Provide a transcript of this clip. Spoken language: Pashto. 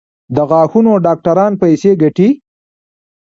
د غاښونو ډاکټران پیسې ګټي؟